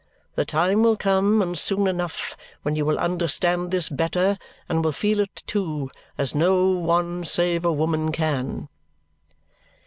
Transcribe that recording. The time will come and soon enough when you will understand this better, and will feel it too, as no one save a woman can."